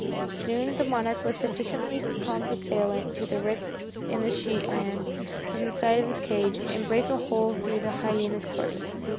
Soon the Monarch was sufficiently convalescent to rip the sheet iron from the side of his cage and break a hole through into the hyena's quarters.